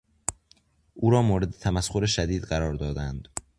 او را مورد تمسخر شدید قرار دادند.